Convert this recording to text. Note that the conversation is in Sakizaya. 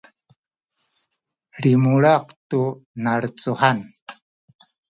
limulak tu nalecuhan